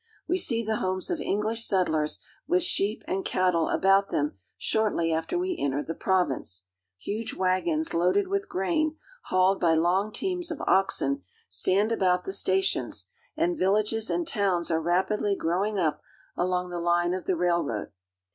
We see le homes of English settlers with sheep and cattle about lem shortly after we enter the province. Huge wagons, laded with grain, hauled by long teams of oxen, stand about the stations, and villages and towns are rapidly growing up along the line of the railroad.